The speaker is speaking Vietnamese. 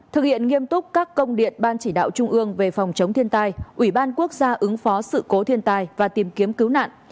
thực hiện nghiêm túc các công điện ban chỉ đạo trung ương về phòng chống thiên tai ủy ban quốc gia ứng phó sự cố thiên tai và tìm kiếm cứu nạn